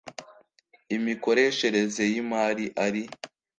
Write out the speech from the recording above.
imikoreshereze y imari ari